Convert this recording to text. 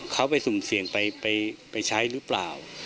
เขาไปสุ่มเสี่ยงไปใช้หรือเปล่า